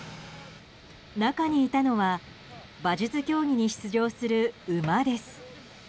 中にいたのは馬術競技に出場する馬です。